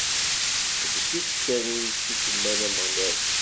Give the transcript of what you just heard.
D kečč kan i yettusemman Ameɣlal.